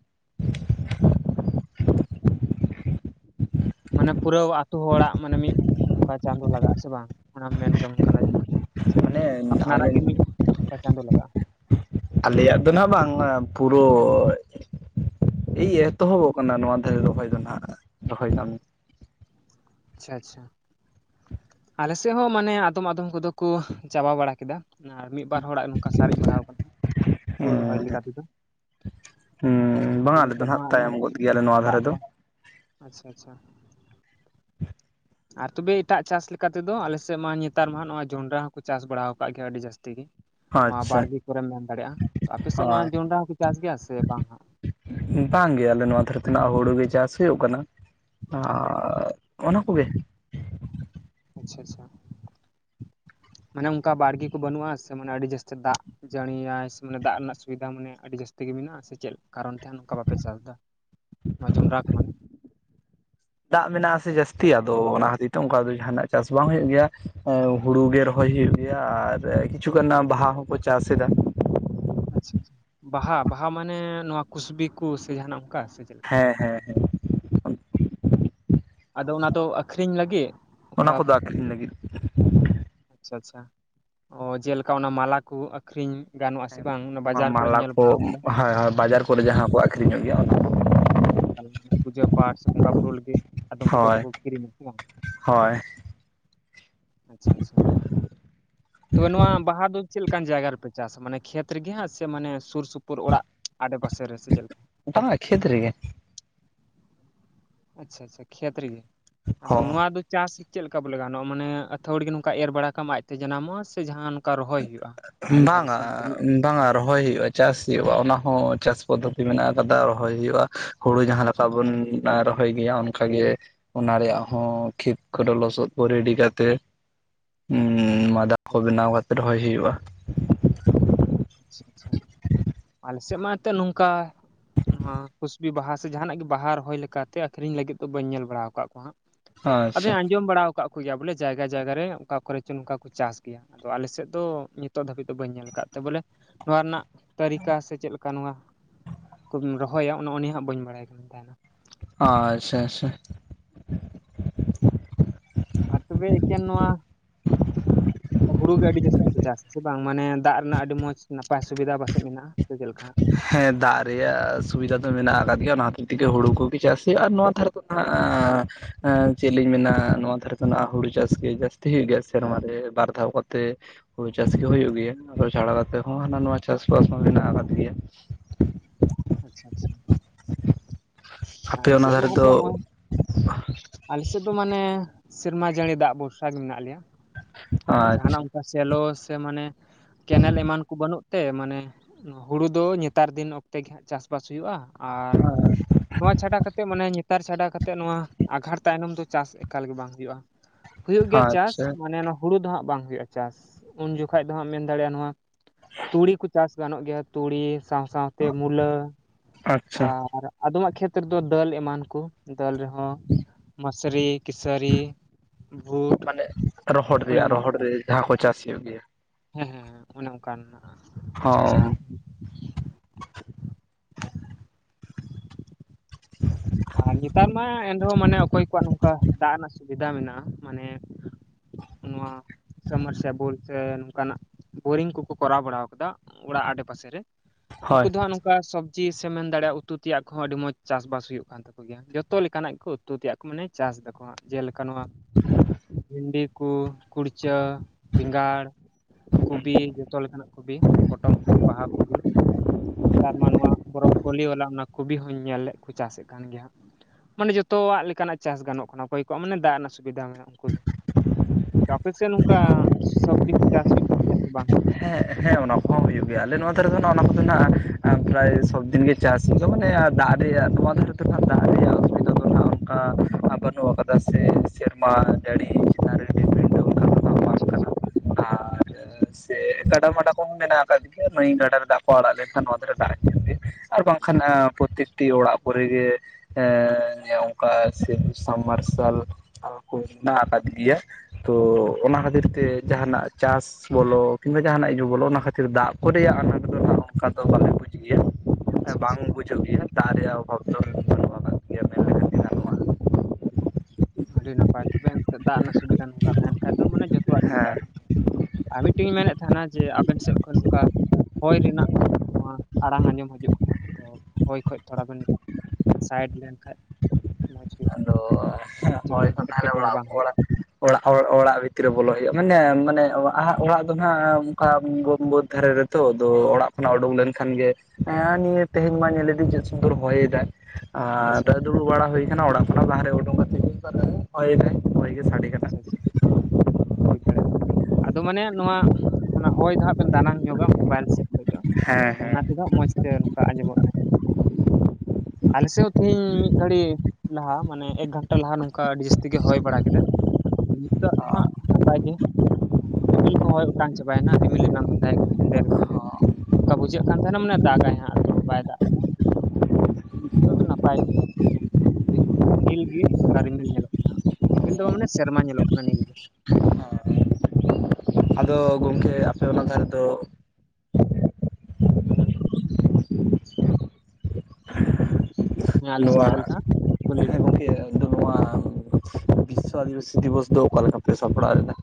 ᱢᱟᱱᱮ ᱯᱩᱨᱟᱹ ᱟᱛᱳ ᱦᱚᱲᱟᱜ ᱢᱟᱱᱮ ᱢᱤᱫ [inaudible] ᱪᱟᱸᱫᱳ ᱞᱟᱜᱟᱜ-ᱟ ᱥᱮ ᱵᱟᱝ ᱚᱱᱟ ᱢᱮᱱ ᱡᱚᱝ ᱠᱟᱱᱟ [inaudible] ᱥᱮ ᱢᱟᱱᱮ ᱟᱞᱮ ᱟᱯᱱᱟᱨᱟᱜ ᱜᱮ ᱢᱤᱫ [inaudible] ᱪᱟᱸᱫᱳ ᱞᱟᱜᱟᱜ-ᱟ᱾ ᱟᱞᱮᱭᱟᱜ ᱫᱚ ᱱᱟᱦᱟᱸᱜ ᱵᱟᱝ-ᱟ ᱯᱩᱨᱳ ᱮᱭ ᱮᱛᱚᱦᱚᱵᱚᱜ ᱠᱟᱱᱟ ᱱᱚᱣᱟ ᱫᱷᱟᱨᱮ ᱨᱚᱦᱚᱭ ᱫᱚ ᱦᱟᱸᱜ ᱨᱚᱦᱚᱭ ᱠᱟᱹᱢᱤ᱾ ᱟᱪᱪᱷᱟ ᱟᱪᱪᱷᱟ᱾ ᱟᱞᱮ ᱥᱮᱫ ᱦᱚᱸ ᱢᱟᱱᱮ ᱟᱫᱚᱢ ᱟᱫᱚᱢ ᱠᱚᱫᱚ ᱠᱚ ᱪᱟᱵᱟ ᱵᱟᱲᱟ ᱠᱮᱫᱟ᱾ ᱟᱨ ᱢᱤᱫ ᱵᱟᱨ ᱦᱚᱲᱟᱜ ᱱᱚᱝᱠᱟ ᱥᱟᱨᱮᱡ ᱵᱟᱲᱣ ᱠᱟᱱᱟ, ᱦᱩᱲᱩ ᱨᱚᱦᱚᱭ ᱦᱮᱸ ᱞᱮᱠᱟ ᱛᱮᱫᱚ᱾ ᱦᱩᱸ ᱵᱟᱝᱟ ᱟᱞᱮ ᱫᱚ ᱱᱤᱛᱚᱜ ᱢᱟ ᱱᱟᱦᱟᱸᱜ ᱛᱟᱭᱚᱢ ᱱᱚᱜᱼᱚᱭ ᱜᱚᱫ ᱜᱮᱭᱟᱞᱮ ᱱᱚᱣᱟ ᱫᱷᱟᱨᱮ ᱫᱟᱜ ᱫᱚ᱾ ᱵᱟᱝ ᱟᱪᱪᱷᱟ ᱟᱪᱪᱷᱟ᱾ [inaudible] ᱟᱨ ᱛᱚᱵᱮ ᱮᱴᱟᱜ ᱪᱟᱥ ᱞᱮᱠᱟᱛᱮ ᱫᱚ ᱟᱞᱮᱥᱮᱫ ᱱᱮᱛᱟᱨ ᱢᱟ ᱱᱚᱣᱟ ᱡᱚᱱᱰᱨᱟ ᱦᱚᱸᱠᱚ ᱪᱟᱥ ᱵᱟᱲᱟ ᱟᱠᱟᱫ ᱜᱮᱭᱟ ᱟᱹᱰᱤ ᱡᱟᱹᱥᱛᱤ ᱜᱮ ᱱᱚᱣᱟ ᱟᱪᱪᱷᱟ ᱵᱟᱲᱜᱮ ᱠᱚᱨᱮᱢ ᱢᱮᱱ ᱫᱟᱲᱮᱭᱟᱜᱼᱟ ᱟᱯᱮ ᱥᱮᱫ ᱱᱚᱣᱟ ᱟᱨ ᱡᱚᱸᱰᱨᱟ ᱦᱚᱸᱠᱚ ᱪᱟᱥ ᱜᱮᱭᱟ ᱥᱮ ᱵᱟᱝ ᱦᱟᱜ ᱵᱟᱝᱜᱮ ᱟᱞᱮ ᱱᱚᱣᱟ ᱫᱷᱟᱨᱮ ᱛᱮᱱᱟᱜ ᱦᱩᱲᱩ ᱜᱮ ᱪᱟᱥ ᱦᱩᱭᱩᱜ ᱠᱟᱱᱟ ᱟᱨᱻ ᱟᱱᱟ ᱠᱚᱜᱮ ᱟᱪᱪᱷᱟ ᱟᱪᱪᱷᱟ ᱢᱟᱱᱮ ᱚᱱᱠᱟ ᱵᱟᱲᱜᱮ ᱠᱚ ᱵᱟᱹᱱᱩᱜᱼᱟ ᱥᱮ ᱢᱟᱱᱮ ᱟᱹᱰᱤ ᱡᱟᱹᱥᱛᱤ ᱫᱟᱜ ᱡᱟᱹᱲᱤᱭᱟᱭ ᱢᱟᱱᱮ ᱫᱟᱜ ᱨᱮᱱᱟᱜ ᱥᱩᱵᱤᱫᱷᱟ ᱢᱟᱱᱮ ᱟᱹᱰᱤ ᱡᱟᱥᱛᱤ ᱜᱮ ᱢᱮᱱᱟᱜᱼᱟ ᱥᱮ ᱪᱮᱫ ᱠᱟᱨᱚᱱ ᱛᱟᱦᱮᱸ ᱱᱚᱝᱠᱟ ᱵᱟᱯᱮ ᱪᱟᱥ ᱮᱫᱟ ᱱᱚᱣᱟ ᱡᱚᱸᱰᱨᱟ ᱠᱷᱚᱱ ᱫᱟᱜ ᱢᱮᱱᱟᱜᱼᱟ ᱥᱮ ᱡᱟᱹᱥᱛᱤ ᱟᱫᱚ ᱚᱱᱟ ᱠᱷᱟᱹᱛᱤᱨ ᱛᱮ ᱚᱱᱠᱟ ᱫᱚ ᱡᱟᱦᱟᱱᱟᱜ ᱪᱟᱥ ᱵᱟᱝ ᱦᱩᱭᱩᱜ ᱜᱮᱭᱟ ᱚᱸᱻ ᱦᱩᱲᱩ ᱜᱮ ᱨᱚᱦᱚᱭ ᱦᱩᱭᱩᱜ ᱜᱮᱭᱟ ᱟᱨ ᱠᱤᱪᱷᱩᱱᱟᱜ ᱵᱟᱦᱟ ᱦᱚᱸᱠᱚ ᱪᱟᱥ ᱮᱫᱟ ᱟᱪᱪᱷᱟ ᱪᱷᱟ ᱵᱟᱦᱟ ᱵᱟᱦᱟ ᱢᱟᱱᱮ ᱱᱚᱣᱟ ᱠᱩᱥᱵᱤ ᱠᱚ ᱥᱮ ᱡᱟᱦᱟᱱᱟᱜ ᱚᱱᱠᱟ ᱥᱮ ᱪᱮᱫ ᱞᱮᱠᱟ᱾ ᱦᱮᱸ ᱦᱮᱸ ᱦᱮᱸ ᱟᱫᱚ ᱫᱚ ᱟᱠᱷᱨᱤᱧ ᱞᱟᱹᱜᱤᱫ ᱚᱱᱟ ᱚᱠᱟ ᱠᱚᱫᱚ ᱟᱹᱠᱷᱨᱤᱧ ᱞᱟᱹᱜᱤᱫ ᱟᱪᱪᱷᱟ ᱟᱪᱪᱷᱟ ᱚ ᱡᱮᱞᱮᱠᱟ ᱚᱱᱟ ᱢᱟᱞᱟ ᱠᱩ ᱟᱹᱠᱷᱨᱤᱧ ᱜᱟᱱᱚᱜ ᱦᱮᱸ ᱢᱟᱞᱟ ᱠᱚ ᱦᱟᱸ ᱵᱟᱡᱟᱨ ᱠᱚᱨᱮ ᱢᱟᱞᱟ ᱡᱟᱦᱟᱸ ᱠᱚ ᱟᱠᱷᱨᱤᱧᱚᱜ ᱜᱮᱭᱟ ᱚᱱᱟ ᱠᱚ ᱯᱩᱡᱟᱹ ᱯᱟᱴᱷᱥ ᱥᱮ ᱵᱚᱸᱜᱟ ᱵᱩᱨᱩ ᱞᱟᱹᱜᱤᱫ, ᱟᱫᱚᱢ ᱠᱚᱫᱚ ᱦᱳᱭ ᱠᱚ ᱠᱤᱨᱤᱧᱟ ᱥᱮ ᱵᱟᱝ ᱦᱳᱭ ᱟᱪᱪᱷᱟ ᱟᱪᱪᱷᱟ, ᱛᱚᱵᱮ ᱱᱚᱣᱟ ᱵᱟᱦᱟ ᱫᱚ ᱪᱮᱫ ᱞᱮᱠᱟᱱ ᱡᱟᱭᱜᱟ ᱨᱮᱯᱮ ᱪᱟᱥᱟ ᱢᱟᱱᱮ ᱠᱷᱮᱛ ᱨᱮᱜᱮ ᱦᱟᱸᱜ ᱥᱮ ᱢᱟᱱᱮ ᱥᱩᱨ ᱥᱩᱯᱩᱨ ᱚᱲᱟᱜ ᱟᱲᱮ ᱯᱟᱥᱮ ᱨᱮ ᱥᱮ ᱪᱮᱫ ᱞᱮᱠᱟ? ᱵᱟᱝᱟ ᱠᱷᱮᱛ ᱨᱮᱜᱮ᱾ ᱟᱪᱪᱷᱟ ᱟᱪᱪᱷᱟ ᱠᱷᱮᱛ ᱨᱮᱜᱮ, ᱟᱫᱚ ᱦᱚᱸ ᱱᱚᱣᱟ ᱫᱚ ᱪᱟᱥ ᱪᱮᱫ ᱞᱮᱠᱟ ᱵᱚᱞᱮ ᱜᱟᱱᱚᱜᱼᱟ ᱢᱟᱱᱮ ᱟᱹᱛᱷᱟᱣᱲᱤ ᱜᱮ ᱱᱚᱝᱠᱟ ᱮᱨ ᱵᱟᱲᱟ ᱠᱟᱢ ᱟᱡᱛᱮ ᱡᱟᱱᱟᱢᱚᱜᱼᱟ ᱥᱮ ᱡᱟᱦᱟ ᱚᱱᱠᱟ ᱨᱚᱦᱚᱭ ᱦᱩᱭᱩᱜᱼᱟ, ᱫᱷᱟᱨᱮ ᱫᱷᱟᱨᱮ ᱵᱟᱝᱟ ᱥᱮ ᱢᱤᱫᱴᱮᱡ ᱢᱤᱫᱴᱮᱱ ᱵᱟᱝᱟ ᱨᱚᱦᱚᱭ ᱦᱩᱭᱩᱜᱼᱟ ᱪᱟᱥ ᱦᱩᱭᱩᱜᱼᱟ ᱚᱱᱟ ᱦᱚᱸ ᱪᱟᱥ ᱯᱚᱫᱽᱫᱷᱚᱛᱤ ᱢᱮᱱᱟᱜ ᱟᱠᱟᱫᱟ᱾ ᱨᱚᱦᱚᱭ ᱦᱩᱭᱩᱜᱼᱟ ᱦᱩᱲᱩ ᱡᱟᱦᱟᱸ ᱞᱮᱠᱟ ᱵᱚᱱ ᱨᱚᱦᱚᱭ ᱜᱮᱭᱟ ᱚᱱᱠᱟ ᱜᱮ ᱚᱱᱟ ᱨᱮᱭᱟᱜ ᱦᱚᱸ ᱠᱷᱮᱛ ᱠᱚᱨᱮ ᱞᱚᱥᱚᱫ ᱠᱚ ᱨᱮᱰᱤ ᱠᱟᱛᱮ, ᱢᱟᱫᱟ ᱠᱚ ᱵᱮᱱᱟᱣ ᱠᱟᱛᱮᱜ ᱨᱚᱦᱚᱭ ᱦᱩᱭᱩᱜᱼᱟ ᱟᱪᱷᱟ ᱟᱪᱪᱷᱟ ᱟᱞᱮ ᱥᱮᱫ ᱢᱟ ᱮᱱᱛᱮ ᱱᱚᱝᱠᱟ ᱱᱚᱣᱟ ᱠᱩᱥᱵᱤ ᱵᱟᱦᱟ ᱥᱮ ᱡᱟᱦᱟᱱᱟᱜ ᱜᱮ ᱵᱟᱦᱟ ᱨᱚᱦᱚᱭ ᱞᱮᱠᱟᱛᱮ ᱟᱠᱷᱨᱤᱧ ᱞᱟᱹᱜᱤᱫ ᱫᱚ ᱵᱟᱹᱧ ᱧᱮᱞ ᱵᱟᱲᱟ ᱟᱠᱟᱫ ᱠᱚᱣᱟ ᱦᱟᱸᱜ᱾ ᱟᱪᱪᱷᱟ ᱟᱫᱚᱧ ᱟᱸᱡᱚᱢ ᱵᱟᱲᱟ ᱟᱠᱟᱫ ᱠᱚᱜᱮᱭᱟ ᱵᱚᱞᱮ ᱡᱟᱭᱜᱟ ᱡᱟᱭᱜᱟ ᱨᱮ ᱚᱠᱟ ᱠᱚᱨᱮ ᱪᱚ ᱱᱚᱝᱠᱟ ᱠᱚ ᱪᱟᱥ ᱜᱮᱭᱟ᱾ ᱟᱫᱚ ᱟᱞᱮᱥᱮᱜ ᱫᱚ ᱱᱤᱛᱚᱜ ᱫᱷᱟᱹᱵᱤᱡ ᱫᱚ ᱵᱟᱹᱧ ᱧᱮᱞ ᱟᱠᱟᱫ ᱛᱮ ᱵᱚᱞᱮ, ᱱᱚᱣᱟ ᱨᱮᱱᱟᱜ ᱛᱟᱨᱤᱠᱟ ᱥᱮ ᱪᱮᱫ ᱞᱮᱠᱟ ᱱᱚᱣᱟ ᱠᱚᱢ ᱨᱚᱦᱚᱭᱟ ᱚᱱᱮ ᱚᱱᱟ ᱦᱟᱸᱜ ᱵᱟᱹᱧ ᱵᱟᱲᱟᱭ ᱠᱟᱱ ᱛᱟᱦᱮᱱᱟ᱾ ᱟᱪᱪᱷᱟ ᱟᱪᱪᱷᱟ᱾ ᱟᱨ ᱛᱚᱵᱮ ᱮᱠᱮᱱ ᱱᱚᱣᱟ, ᱦᱩᱲᱩ ᱜᱮ ᱟᱹᱰᱤ ᱡᱟᱹᱥᱛᱤ ᱯᱮ ᱪᱟᱥᱟ ᱥᱮ ᱵᱟᱝ ᱢᱟᱱᱮ ᱫᱟᱜ ᱨᱮᱱᱟᱜ ᱟᱹᱰᱤ ᱢᱚᱸᱡᱽ ᱱᱟᱯᱟᱭ ᱥᱩᱵᱤᱫᱷᱟ ᱯᱟᱥᱮᱡ ᱢᱮᱱᱟᱜᱼᱟ᱾ ᱥᱮ ᱪᱮᱫ ᱞᱮᱠᱟ ᱦᱟᱸᱜ? ᱦᱮᱸ ᱫᱟᱜ ᱨᱮᱭᱟᱜ ᱥᱩᱵᱤᱫᱷᱟ ᱫᱚ ᱢᱮᱱᱟᱜ ᱟᱠᱟᱫ ᱜᱮᱭᱟ ᱚᱱᱟ ᱦᱚᱛᱮᱡ ᱛᱮᱜᱮ ᱦᱩᱲᱩ ᱠᱚᱜᱮ ᱪᱟᱥ ᱦᱩᱭᱩᱜᱼᱟ, ᱟᱨ ᱱᱚᱣᱟ ᱫᱷᱟᱨᱮ ᱱᱤᱛᱚᱜ ᱫᱚ ᱦᱟᱜ ᱪᱮᱫ ᱞᱤᱧ ᱢᱮᱱᱟ ᱱᱚᱣᱟ ᱫᱷᱟᱨᱮ ᱫᱚ ᱦᱩᱲᱩ ᱪᱟᱥ ᱜᱮ ᱡᱟᱹᱥᱛᱤ, ᱦᱩᱭᱩᱜ ᱜᱮᱭᱟ ᱥᱮᱨᱢᱟᱨ ᱨᱮ ᱵᱟᱨ ᱫᱷᱟᱣ ᱠᱟᱛᱮ᱾ ᱦᱩᱲᱩ ᱪᱟᱥ ᱜᱮ ᱦᱩᱭᱩᱜ ᱜᱮᱭᱟ, ᱟᱫᱚ ᱪᱷᱟᱲᱟ ᱠᱟᱛᱮᱫ ᱦᱚᱸ ᱦᱟᱱᱟ ᱱᱚᱣᱟ ᱪᱟᱥᱵᱟᱥ ᱦᱚᱸ ᱢᱮᱱᱟᱜ ᱟᱠᱟᱫ ᱜᱮᱭᱟ᱾ ᱟᱪᱪᱷᱟ ᱟᱪᱪᱷᱟ᱾ [inaudible] ᱟᱯᱮ ᱟᱞᱮ ᱚᱱᱟ ᱥᱮᱫ ᱢᱟ ᱫᱷᱟᱨᱮ ᱫᱚ ᱮᱱᱛᱮᱫ ᱱᱚᱜᱼᱚᱭ ᱟᱞᱮ ᱥᱮᱫ ᱫᱚ ᱢᱟᱱᱮ ᱥᱮᱨᱢᱟ ᱡᱟᱹᱲᱤ ᱫᱟᱜ ᱵᱷᱚᱨᱥᱟ ᱜᱮ ᱢᱮᱱᱟᱜ ᱞᱮᱭᱟ᱾ [inaudible] ᱟᱨ ᱡᱟᱦᱟᱱᱟᱜ ᱟᱪᱪᱷᱟ ᱚᱱᱠᱟ ᱥᱮᱞᱚ ᱥᱮ ᱢᱟᱱᱮ ᱠᱮᱱᱮᱞ ᱮᱢᱟᱱ ᱠᱚ ᱵᱟᱹᱱᱩᱜ ᱛᱮ ᱢᱟᱱᱮ ᱦᱩᱲᱩ ᱫᱚ ᱱᱮᱛᱟᱨ ᱫᱤᱱ ᱚᱠᱛᱮ ᱜᱮ ᱦᱟᱜ ᱪᱟᱥᱵᱟᱥ ᱦᱩᱭᱩᱜ-ᱟ᱾ ᱟᱨ ᱱᱚᱣᱟ ᱪᱷᱟᱰᱟ ᱠᱟᱛᱮᱜ ᱢᱟᱱᱮ ᱱᱮᱛᱟᱨ ᱪᱷᱟᱰᱟ ᱠᱟ ᱮᱱᱛᱮᱫ ᱱᱚᱣᱟ ᱟᱜᱷᱟᱲ ᱛᱟᱭᱱᱚᱢ ᱫᱚ ᱪᱟᱥ ᱮᱠᱟᱞ ᱜᱮ ᱵᱟᱝ ᱦᱩᱭᱩᱜ-ᱟ᱾ ᱦᱩᱭᱩᱜ ᱜᱮᱭᱟ ᱪᱟᱥ ᱟᱪᱪᱷᱟ ᱢᱟᱱᱮ ᱦᱩᱲᱩ ᱫᱚ ᱦᱟᱸᱜ ᱵᱟᱝ ᱦᱩᱭᱩᱜ-ᱟ ᱪᱟᱥ᱾ ᱩᱱ ᱡᱚᱠᱷᱟᱡ ᱫᱚ ᱦᱟᱸᱜ ᱢᱮᱱ ᱫᱟᱲᱮᱭᱟᱜ-ᱟ ᱱᱚᱣᱟ ᱛᱩᱲᱤ ᱠᱚ ᱪᱟᱥ ᱜᱟᱱᱚᱜ ᱜᱮᱭᱟ ᱛᱩᱲᱤ ᱥᱟᱶ ᱥᱟᱶᱛᱮ ᱢᱩᱞᱟᱹ ᱾ ᱟᱨ ᱟᱨ ᱟᱫᱚᱢᱟᱜ ᱠᱷᱮᱛ ᱨᱮᱫᱚ ᱫᱟᱹᱞ ᱮᱢᱟᱱ ᱠᱚ, ᱫᱟᱹᱞ ᱨᱮᱦᱚᱸ ᱢᱟᱹᱥᱨᱤ᱾ ᱠᱮᱥᱟᱹᱨᱤ ᱯᱷᱩᱴ ᱢᱟᱱᱮ ᱨᱚᱦᱚᱲ ᱚᱱᱮ ᱨᱮᱭᱟᱜ ᱚᱱᱟ ᱨᱚᱦᱚᱲ ᱠᱚᱜᱮ᱾ ᱨᱮ ᱡᱟᱦᱟᱸ ᱠᱚ ᱪᱟᱥ ᱦᱩᱭᱩᱜ ᱜᱮᱭᱟ ᱦᱮᱸ ᱦᱮᱸ ᱚᱱᱮ ᱚᱱᱠᱟᱱᱟᱜ ᱪᱟᱥ ᱦᱚᱸ ᱠᱟᱱᱟ᱾ [inaudible] ᱟᱨ ᱱᱮᱛᱟᱨ ᱢᱟ ᱮᱱ ᱨᱮᱦᱚᱸ ᱢᱟᱱᱮ ᱚᱠᱚᱭ ᱠᱚᱣᱟᱜ ᱱᱚᱝᱠᱟ ᱫᱟᱜ ᱨᱮᱱᱟᱜ ᱥᱩᱵᱤᱫᱷᱟ ᱢᱮᱱᱟᱜ-ᱟ ᱢᱟᱱᱮ ᱱᱚᱣᱟ ᱥᱟᱵᱢᱟᱨᱥᱟᱞ ᱵᱚᱞ ᱥᱮ ᱱᱚᱝᱠᱟᱱᱟᱜ ᱵᱳᱨᱤᱝ ᱠᱚᱠᱚ ᱠᱚᱨᱟᱣ ᱵᱟᱲᱟᱣ ᱟᱠᱟᱫᱟ ᱚᱲᱟᱜ ᱟᱰᱮᱯᱟᱥᱮ ᱨᱮ᱾ ᱦᱳᱭ ᱩᱱᱠᱩ ᱫᱚ ᱦᱟᱸᱜ ᱱᱚᱝᱠᱟ ᱥᱚᱵᱽᱡᱤ ᱥᱮ ᱢᱮᱱ ᱫᱟᱲᱮᱭᱟᱜ-ᱟ ᱩᱛᱩ ᱛᱮᱭᱟᱜ ᱠᱚᱦᱚᱸ ᱟᱹᱰᱤ ᱢᱚᱸᱡᱽ ᱪᱟᱥᱵᱟᱥ ᱦᱩᱭᱩᱜ ᱠᱟᱱ ᱛᱟᱠᱚ ᱜᱮᱭᱟ᱾ ᱡᱚᱛᱚ ᱞᱮᱠᱟᱱᱟᱜ ᱜᱮ ᱠᱚ ᱩᱛᱩ ᱛᱮᱭᱟᱜ ᱠᱚ ᱢᱟᱱᱮ ᱪᱟᱥ ᱮᱫᱟᱠᱚ ᱦᱟᱜ ᱾ ᱡᱮᱞᱮᱠᱟ ᱱᱚᱣᱟ [inaudible] ᱵᱷᱤᱱᱰᱤ ᱠᱚ ᱠᱩᱲᱪᱟᱹ, ᱵᱮᱸᱜᱟᱲ ᱠᱚᱵᱤ ᱡᱚᱛᱚ ᱞᱮᱠᱟᱱᱟᱜ ᱠᱚᱵᱤ ᱯᱚᱴᱚᱢ ᱠᱚᱯᱤ ᱵᱟᱦᱟ ᱠᱚᱵᱤ᱾ ᱱᱮᱛᱟᱨᱢᱟ ᱱᱚᱣᱟ ᱵᱚᱨᱚᱯᱷ ᱠᱚᱞᱤ ᱵᱟᱞᱟ ᱚᱱᱟ ᱠᱩᱵᱤ ᱦᱚᱸᱧ ᱧᱮᱞ ᱞᱮᱜ ᱠᱚ ᱪᱟᱥᱮᱜ ᱠᱟᱱ ᱜᱮᱭᱟ ᱦᱟᱸᱜ᱾ ᱢᱟᱱᱮ ᱡᱚᱛᱚᱣᱟᱜ ᱞᱮᱠᱟᱱᱟᱜ ᱪᱟᱥ ᱜᱟᱱᱚᱜ ᱠᱟᱱᱟ ᱚᱠᱚᱭ ᱠᱚᱣᱟᱜ ᱢᱟᱱᱮ ᱫᱟᱜ ᱨᱮᱱᱟᱜ ᱥᱩᱵᱤᱫᱷᱟ ᱢᱮᱱᱟᱜ [unintelligible] ᱟᱨ ᱟᱯᱮᱥᱮ ᱱᱚᱝᱠᱟ ᱥᱚᱵᱽᱡᱤ ᱠᱚ ᱪᱟᱥ ᱦᱩᱭᱩᱜ ᱠᱟᱱ ᱜᱮᱭᱟ ᱥᱮ ᱵᱟᱝ? ᱦᱮᱸ ᱦᱮᱸ ᱚᱱᱟ ᱠᱚᱦᱚᱸ ᱦᱩᱭᱩᱜ ᱜᱮᱭᱟ ᱟᱞᱮ ᱱᱚᱣᱟ ᱫᱷᱟᱨᱮ ᱫᱚ ᱱᱟᱦᱟᱜ ᱚᱱᱟ ᱠᱚᱫᱚ ᱱᱟᱦᱟᱜ ᱯᱨᱟᱭ ᱥᱚᱵᱽ ᱫᱤᱱᱜᱮ ᱪᱟᱥ [unintelligible] ᱢᱟᱱᱮ ᱫᱟᱜ ᱨᱮᱭᱟᱜ ᱱᱚᱣᱟ ᱫᱷᱟᱨᱮ ᱫᱚ ᱱᱟᱦᱟᱜ ᱫᱟᱜ ᱨᱮᱭᱟᱜ ᱚᱥᱩᱵᱤᱫᱟ ᱫᱚ ᱱᱟᱦᱟᱜ ᱚᱝᱠᱟ ᱵᱟᱹᱱᱩᱜ ᱟᱠᱟᱫᱟ ᱥᱮ ᱥᱮᱨᱢᱟ ᱡᱟᱹᱲᱤ ᱪᱮᱛᱟᱱ ᱨᱮ ᱰᱤᱯᱮᱱ [inaudible] ᱟᱨ ᱥᱮ ᱠᱟᱰᱟ ᱢᱟᱰᱟ ᱠᱚᱦᱚ ᱢᱮᱱᱟᱜ ᱟᱠᱟᱫ ᱜᱮᱭᱟ ᱱᱟᱹᱭ ᱜᱟᱰᱟ ᱨᱮ ᱫᱟᱜ ᱠᱚ ᱟᱲᱟᱜ ᱞᱮᱱᱠᱷᱟᱱ ᱱᱚᱣᱟ ᱫᱷᱟᱨᱮ ᱫᱟᱜ ᱦᱤᱡᱩᱜ ᱜᱮ ᱟᱨ ᱵᱟᱝᱠᱷᱟᱱ ᱯᱨᱚᱛᱛᱤᱠ ᱴᱤ ᱚᱲᱟᱜ ᱠᱚᱨᱮ ᱜᱮ ᱮ ᱚᱝᱠᱟ ᱥᱤᱵ ᱥᱟᱵ ᱢᱟᱨᱥᱟᱞ ᱢᱮᱱᱟᱜ ᱟᱠᱟᱫ ᱜᱮᱭᱟ ᱾ ᱛᱚ ᱚᱱᱟ ᱠᱷᱟᱹᱛᱤᱨ ᱛᱮ ᱡᱟᱸᱦᱟᱱᱟᱜ ᱪᱟᱥ ᱵᱚᱞᱚ ᱠᱤᱢᱵᱟ ᱡᱟᱦᱟᱱᱟᱜ ᱧᱩ ᱵᱚᱞᱚᱜ ᱚᱱᱟ ᱠᱷᱟᱹᱛᱤᱨ ᱫᱟᱜ ᱠᱚ ᱨᱮᱭᱟᱜ ᱟᱱᱟᱴ ᱫᱚ ᱱᱟᱦᱟᱜ ᱚᱝᱠᱟ ᱫᱚ ᱵᱟᱞᱮ ᱵᱩᱡᱽ ᱜᱮᱭᱟ ᱢᱟᱱᱮ ᱟᱪᱪᱷᱟ ᱵᱟᱝ ᱟᱪᱪᱷᱟ ᱵᱩᱡᱽ ᱡᱷᱟᱹᱣ ᱜᱮᱭᱟ ᱫᱟᱜ ᱨᱮᱭᱟᱜ ᱚᱵᱷᱟᱵᱽ ᱫᱚ ᱟᱠᱟᱫ ᱜᱮᱭᱟ ᱢᱮᱱ ᱞᱮᱠᱷᱟᱱ ᱟᱪᱪᱷᱟ-ᱪᱟ ᱜᱮ [inaudible] ᱟᱹᱰᱤ ᱱᱟᱯᱟᱭ ᱛᱚᱵᱮ ᱮᱱᱛᱮᱫ ᱫᱟᱜ ᱨᱮᱱᱟᱜ ᱥᱩᱵᱤᱫᱷᱟ ᱱᱚᱝᱠᱟ ᱛᱟᱦᱮᱱ ᱠᱷᱟᱡ ᱫᱚ ᱢᱟᱱᱮ ᱡᱚ ᱛᱚᱣᱟᱜ ᱜᱟᱱᱚᱜᱼᱟ ᱜᱮᱢ ᱪᱟᱥ, ᱦᱮᱸ [inaudible] ᱟᱨ ᱢᱤᱜᱴᱤᱝ ᱤᱧ ᱢᱮᱱᱮᱫ ᱛᱟᱦᱮᱱᱟ ᱡᱮ ᱟᱵᱮᱱ ᱥᱮᱫ ᱠᱷᱚᱱ ᱱᱚᱝᱠᱟ ᱦᱚᱭ ᱨᱮᱱᱟᱜ ᱱᱚᱣᱟ ᱟᱲᱟᱝ ᱟᱸᱡᱚᱢ ᱦᱟᱹᱡᱩᱜ ᱠᱟᱱᱟ ᱾ ᱟᱫᱚ ᱦᱚᱭ ᱠᱷᱚᱡ ᱛᱷᱚᱲᱟ ᱵᱮᱱ ᱥᱟᱭᱤᱰ ᱞᱮᱱᱠᱷᱟᱡ ᱢᱚᱡᱽ ᱦᱩᱭᱩᱜ-ᱟ᱾ [unintelligible] ᱦᱩᱭᱩᱜ ᱚᱲᱟᱜ ᱚᱲ ᱚᱲᱟᱜ ᱵᱷᱤᱛᱤᱨ ᱨᱮ ᱵᱚᱞᱚ ᱦᱩᱭᱩᱜ-ᱟ ᱢᱮᱱᱮ ᱢᱟᱱᱮ ᱚ ᱟᱦᱟᱜ ᱚᱲᱟᱜ ᱫᱚ ᱱᱟᱦᱟᱜ ᱚᱝᱠᱟ ᱵᱟᱹᱫᱽ ᱫᱷᱟᱨᱮ ᱨᱮ ᱛᱚ ᱫᱚ ᱚᱲᱟᱜ ᱠᱷᱚᱱᱟᱜ ᱩᱰᱩᱠ ᱞᱮᱱᱠᱷᱟᱱ ᱜᱮ ᱦᱮᱸ ᱱᱤᱭᱟᱹ ᱛᱮᱦᱮᱧ ᱢᱟ ᱧᱮᱞ ᱤᱫᱟᱹᱧ ᱪᱮᱫ ᱥᱩᱱᱫᱚᱨ ᱦᱚᱭᱭᱮᱫᱟᱭ᱾ ᱟᱪᱪᱷᱟ ᱟᱨ ᱫᱩᱲᱩᱵ ᱵᱟᱲᱟ ᱦᱩᱭ ᱠᱟᱱᱟ ᱚᱲᱟᱜ ᱠᱷᱚᱱᱟᱜ ᱵᱟᱦᱨᱮ ᱩᱰᱩᱝ ᱠᱟᱛᱮ ᱜᱮ ᱢᱤᱫ ᱵᱟᱨ ᱦᱚᱭᱮᱫᱟᱭ ᱦᱚᱭᱜᱮ ᱥᱟᱰᱮ ᱠᱟ ᱟᱪᱪᱷᱟ ᱟᱪᱪᱷᱟ ᱾ ᱦᱩᱭ ᱫᱟᱲᱮᱭᱟᱜ, ᱟᱫᱚ ᱢᱟᱱᱮ ᱱᱚᱣᱟ ᱚᱱᱟ ᱦᱚᱭ ᱫᱚ ᱦᱟᱸᱜ ᱵᱮᱱ ᱫᱟᱱᱟᱝ ᱧᱚᱜᱟ ᱢᱳᱵᱟᱭᱤᱞ ᱥᱮᱜ ᱠᱷᱚᱡ ᱫᱚ ᱦᱮᱸ ᱟᱫᱚ ᱚᱱᱟ ᱦᱮᱸ ᱛᱮᱫᱚ ᱦᱟᱸᱜ ᱢᱚᱡᱽ ᱛᱮ ᱱᱚᱠᱟ ᱟᱸᱡᱚᱢᱚᱜ ᱟᱞᱮ ᱥᱮᱜ ᱦᱚᱸ ᱛᱤᱦᱤᱧ ᱢᱤᱜ ᱜᱷᱟᱹᱲᱤ ᱞᱟᱦᱟ ᱢᱟᱱᱮ ᱮᱠ ᱜᱷᱟᱱᱴᱟ ᱞᱟᱦᱟ ᱱᱚᱝᱠᱟ ᱟᱹᱰᱤ ᱡᱟᱹᱥᱛᱤ ᱜᱮ ᱦᱚᱭ ᱵᱟᱲᱟ ᱠᱮᱫᱟᱭ᱾ ᱧᱤᱛᱳᱜ ᱫᱚᱦᱟᱸᱜ ᱱᱟᱯᱟᱭ ᱜᱮ᱾ ᱨᱤᱢᱤᱞ ᱠᱚᱦᱚ ᱦᱚᱭ ᱚᱴᱟᱝ ᱪᱟᱵᱟᱭᱱᱟ ᱨᱤᱢᱤᱞ ᱮᱱᱟᱱ ᱫᱚ ᱛᱟᱦᱮᱸ ᱠᱟᱱᱟ ᱦᱮᱸᱫᱮ ᱨᱤᱢᱤᱞ᱾ ᱠᱟ ᱵᱩᱡᱷᱟᱹᱜ ᱛᱟᱦᱮᱱᱟ ᱢᱟᱱᱮ ᱫᱟᱜᱟᱭ ᱦᱟᱸᱜ ᱛᱚ ᱵᱟᱭ ᱫᱟᱜ ᱞᱮᱫᱟ᱾ ᱱᱤᱛᱳᱜ ᱫᱚ ᱱᱟᱯᱟᱭ ᱜᱮ᱾ ᱱᱤᱞ ᱜᱤ ᱠᱟ ᱨᱤᱢᱤᱞ ᱧᱮᱞᱚᱜ ᱠᱟᱱᱟ ᱦᱟᱸᱜ ᱨᱤᱢᱤᱞ ᱫᱚ ᱵᱟ ᱢᱟᱱᱮ ᱥᱮᱨᱢᱟ ᱧᱮᱞᱚᱜ ᱠᱟᱱᱟ ᱱᱤᱞ ᱜᱮ᱾ ᱟᱫᱚ ᱜᱚᱝᱠᱮ ᱟ ᱯᱮ ᱚᱱᱟ ᱫᱷᱟᱨᱮ ᱫᱚ ᱦᱩᱸ ᱦᱩᱸ ᱦᱮᱸ ᱟᱞᱮ ᱥᱮᱜ ᱱᱚᱣᱟ ᱪᱮᱞᱠᱟ ᱦᱮᱸ [unintelligible] ᱜᱚᱝᱠᱮ ᱥᱚ ᱟᱹᱫᱤᱵᱟᱹᱥᱤ ᱫᱤᱵᱚᱥ ᱫᱚ ᱚᱠᱟ ᱞᱮᱠᱟᱛᱮ ᱥᱟᱯᱲᱟᱣ ᱞᱮᱱᱟ?